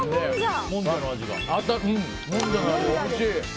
もんじゃの味、おいしい。